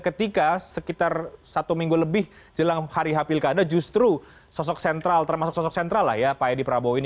ketika sekitar satu minggu lebih jelang hari h pilkada justru sosok sentral termasuk sosok sentral lah ya pak edi prabowo ini